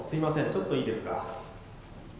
ちょっといいですか？」。